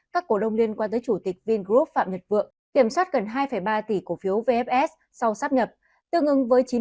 các cổ đông liên quan tới chủ tịch vingroup phạm nhật vượng kiểm soát gần hai ba tỷ cổ phiếu vfs sau sắp nhập tương ứng với chín mươi